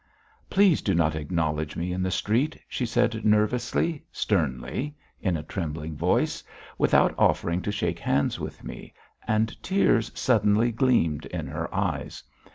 "Please do not acknowledge me in the street," she said nervously, sternly, in a trembling voice, without offering to shake hands with me, and tears suddenly gleamed in her eyes.